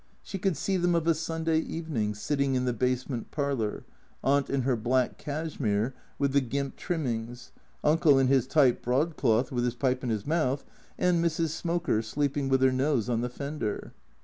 She could see them of a Sunday even ing, sitting in the basement parlour, Aunt in her black cashmere with the gimp trimmings, Uncle in his tight broadcloth with his pipe in his mouth, and Mrs. Smoker sleeping with her nose on the fender.